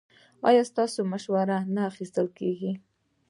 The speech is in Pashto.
ایا ستاسو مشوره نه اخیستل کیږي؟